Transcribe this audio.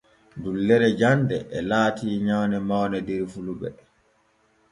Dullere jande e laati nyawne mawne der fulɓe.